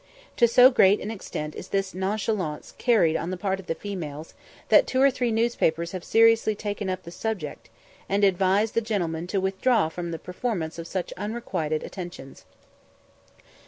To so great an extent is this nonchalance carried on the part of the females, that two or three newspapers have seriously taken up the subject, and advise the gentlemen to withdraw from the performance of such unrequited attentions.